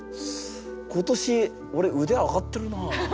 今年俺腕上がってるな。